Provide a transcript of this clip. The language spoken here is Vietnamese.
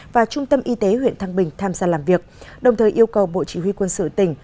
và trung tâm y tế huyện thăng bình tham gia làm việc đồng thời yêu cầu bộ chỉ huy quân sự tỉnh